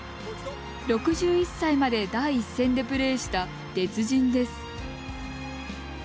６１歳まで第一線でプレーした鉄人です。